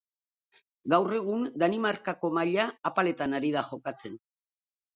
Gaur egun Danimarkako maila apaletan ari da jokatzen.